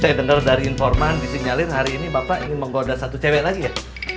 saya dengar dari informan disinyalir hari ini bapak ingin menggoda satu cewek lagi ya